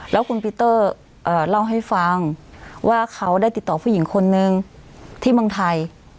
แล้วคุณปีเตอร์เล่าให้ฟังว่าเขาได้ติดต่อผู้หญิงคนนึงที่เมืองไทย